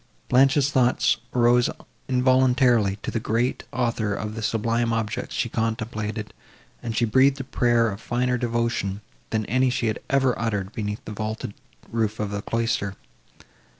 Blanche's thoughts arose involuntarily to the Great Author of the sublime objects she contemplated, and she breathed a prayer of finer devotion, than any she had ever uttered beneath the vaulted roof of a cloister.